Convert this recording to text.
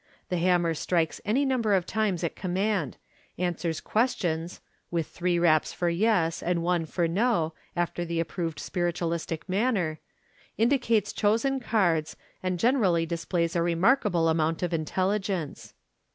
The hammer strikes any number of times at command., answers questions (with three raps for "yes," and one for " no," after the approved spiritualistic manner), indicates chosen cards, and generally displays a remarkable amount of intelligence.